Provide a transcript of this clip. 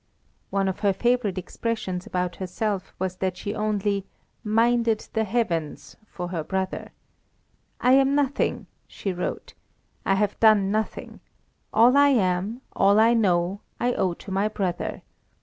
One of her favourite expressions about herself was that she only "minded the heavens" for her brother. "I am nothing," she wrote; "I have done nothing: all I am, all I know, I owe to my brother.